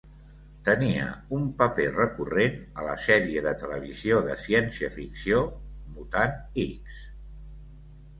Tenia un paper recurrent a la sèrie de televisió de ciència ficció "Mutant X".